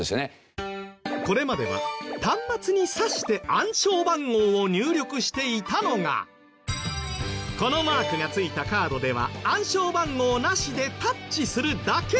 これまでは端末に差して暗証番号を入力していたのがこのマークがついたカードでは暗証番号なしでタッチするだけ。